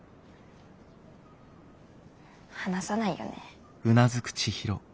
話さないよね。